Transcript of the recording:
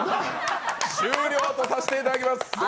終了とさせていただきます。